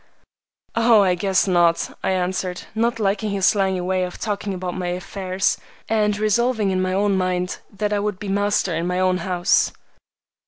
"Oh, I guess not," I answered, not liking his slangy way of talking about my affairs, and resolving in my own mind that I would be master in my own house.